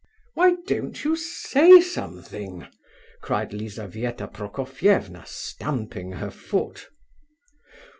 "Why don't you say something?" cried Lizabetha Prokofievna, stamping her foot.